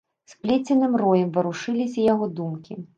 Сплеценым роем варушыліся яго думкі.